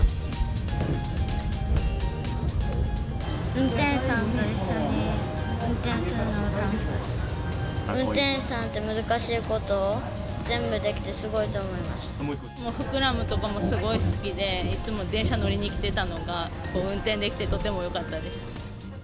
運転士さんて難しいこと全部フクラムとかもすごい好きで、いつも電車乗りに来てたのが運転できて、とってもよかったです。